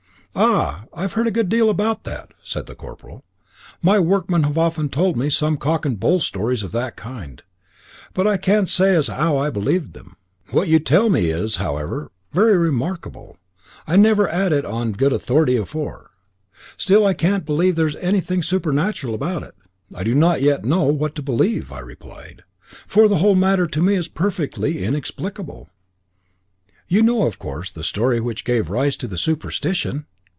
"Ah! I have heard a good deal about that," said the corporal. "My workmen have often told me some cock and bull stories of that kind, but I can't say has 'ow I believed them. What you tell me is, 'owever, very remarkable. I never 'ad it on such good authority afore. Still, I can't believe that there's hanything supernatural about it." "I do not yet know what to believe," I replied, "for the whole matter is to me perfectly inexplicable." "You know, of course, the story which gave rise to the superstition?"